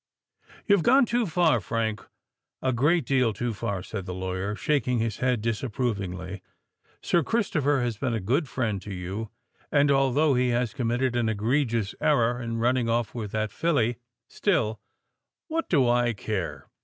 "You have gone too far, Frank—a great deal too far," said the lawyer, shaking his head disapprovingly. "Sir Christopher has been a good friend to you; and although he has committed an egregious error in running off with that filly, still——" "What do I care?"